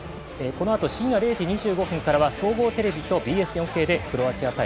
このあと、深夜０時２５分から総合テレビとＢＳ４Ｋでクロアチア対